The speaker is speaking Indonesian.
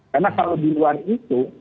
karena kalau di luar itu